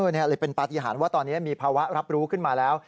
นี่เลยเป็นปฏิหารว่าตอนนี้มีภาวะรับรู้ขึ้นมาแล้ว